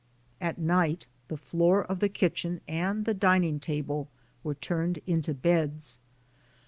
At night the floor of the kitchen and the dining table were turned into beds.